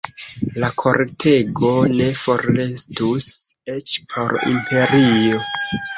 La kortego ne forrestus, eĉ por imperio.